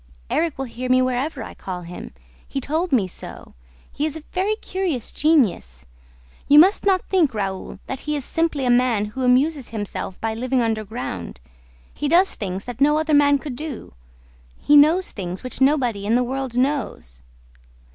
"Erik will hear me wherever I call him. He told me so. He is a very curious genius. You must not think, Raoul, that he is simply a man who amuses himself by living underground. He does things that no other man could do; he knows things which nobody in the world knows."